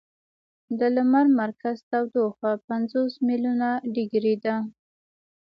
د لمر مرکز تودوخه پنځلس ملیونه ډګري ده.